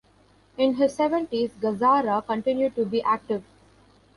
In his seventies, Gazzara continued to be active.